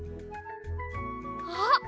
あっ！